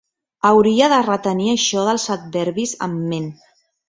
Hauria de retenir això dels adverbis en ment.